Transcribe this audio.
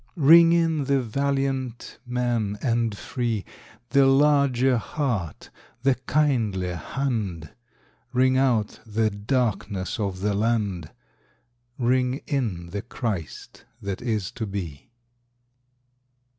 Ring in the valiant man and free, The larger heart, the kindlier hand; Ring out the darkness of the land, Ring in the Christ that is to be.